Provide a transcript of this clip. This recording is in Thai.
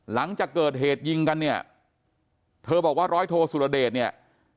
หลังจากเกิดเหตุยิงกันเนี่ยเธอบอกว่าร้อยโทสุรเดชเนี่ย